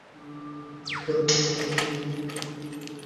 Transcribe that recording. সমগ্র খেলোয়াড়ী জীবনে একটিমাত্র টেস্টে অংশগ্রহণ করেছেন নেভিল লিন্ডসে।